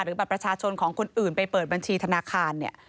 หรือบัตรประชาชนของคนอื่นไปเปิดบัญชีธนาคาร